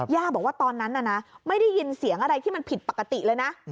ย่าบอกว่าตอนนั้นน่ะนะไม่ได้ยินเสียงอะไรที่มันผิดปกติเลยนะ